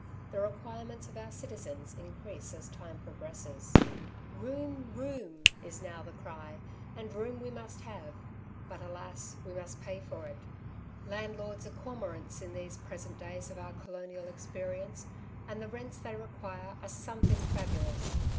The requirements of our citizens increase as time progresses. '' Room, room," is now 78 " Two Sides to every Question,^* the cry^ and room we must have ; but alas, we must pay for it. Landlords are cormorants in these pre sent days of our colonial experience, and the rents they require are something fabulous.